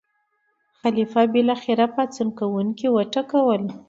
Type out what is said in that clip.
خلیفه بالاخره پاڅون کوونکي وټکول.